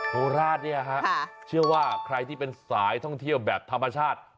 โคราชเนี่ยฮะเชื่อว่าใครที่เป็นสายท่องเที่ยวแบบธรรมชาติ